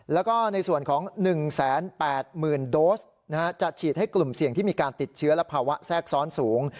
แล้วก็ในส่วนของ๑๘๐๐๐โดสจะฉีดให้กลุ่มเสี่ยงที่มีการติดเชื้อและภาวะแทรกซ้อนสูง